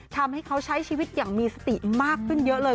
ทำให้เขาใช้ชีวิตอย่างมีสติมากขึ้นเยอะเลย